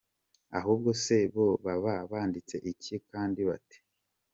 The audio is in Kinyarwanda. Ahubwo se bo baba banditse iki kandi bate ?